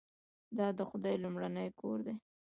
دا د خدای لومړنی کور دی.